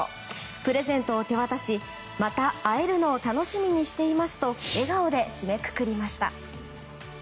プレゼントを手渡しまた会えるのを楽しみにしていますと笑顔で締めくくりました。